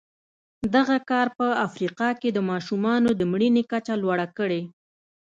دغه کار په افریقا کې د ماشومانو د مړینې کچه لوړه کړې.